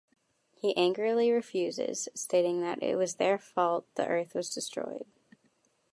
He angrily refuses, stating that it was their fault the Earth was destroyed.